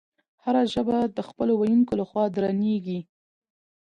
هره ژبه د خپلو ویونکو له خوا درنیږي.